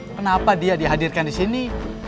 kenapa dia dihadirkan disini